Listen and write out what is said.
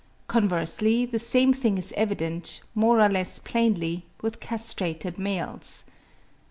Conversely, the same thing is evident, more or less plainly, with castrated males.